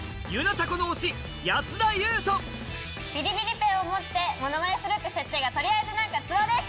ビリビリペンを持ってモノマネする設定が取りあえず何かツボです。